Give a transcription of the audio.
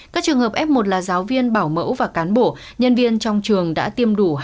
các trường hợp f một là giáo viên bảo mẫu và cán bộ nhân viên trong trường đã tiêm đủ